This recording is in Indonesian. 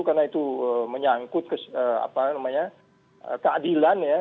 karena itu menyangkut keadilan ya